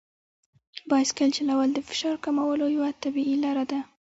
بایسکل چلول د فشار کمولو یوه طبیعي لار ده.